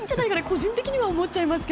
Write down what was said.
個人的には思っちゃいます。